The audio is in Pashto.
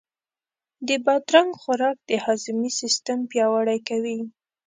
د بادرنګ خوراک د هاضمې سیستم پیاوړی کوي.